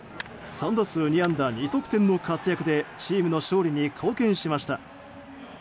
３打数２安打２得点の活躍でチームの勝利に貢献しました。